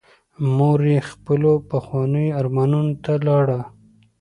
مور یې خپلو پخوانیو ارمانونو ته لاړه.